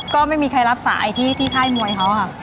ก็ไม่มีใครรับสายที่ค่ายมวยเขาค่ะ